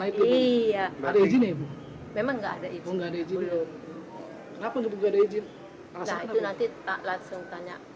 nah itu nanti langsung tanya